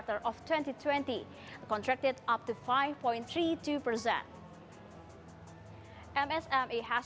pada kesempatan ini saya akan menjelaskan